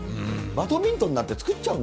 バドミントンなんて作っちゃうん